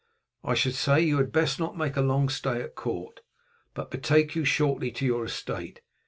I should say you had best not make a long stay at court, but betake you, shortly, to your estate.